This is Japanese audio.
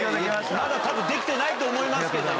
まだたぶんできてないと思いますけどね。